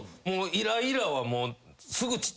もうイライラはすぐ